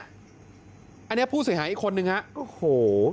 อันนี้ผู้เสียหายอีกคนนึงฮะโอ้โห